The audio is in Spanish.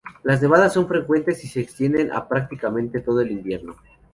Las nevadas son frecuentes y se extienden a prácticamente todo el invierno.